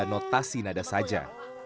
tiga notasi nada saja